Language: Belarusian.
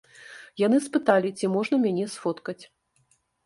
Яны спыталі, ці можна мяне сфоткаць.